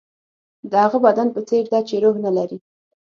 د هغه بدن په څېر ده چې روح نه لري.